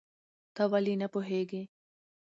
ته ولې نه پوهېږې؟